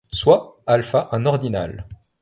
Soit α un ordinal.